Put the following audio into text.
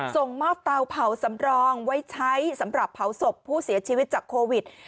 ส่งมอบเตาเผาสำรองไว้ใช้สำหรับเผาศพผู้เสียชีวิตจากโควิด